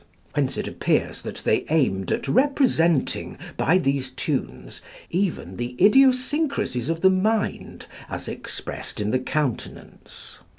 Whence it appears that they aimed at representing by these tunes even the idiosyncrasies of the mind as expressed in the countenance.